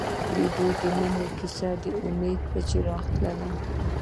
د دوی د مینې کیسه د امید په څېر تلله.